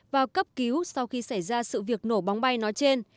vào cấp cứu sau khi xảy ra sự việc nổ bóng bay nói trên